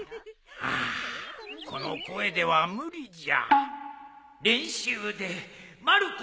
ああこの声では無理じゃ。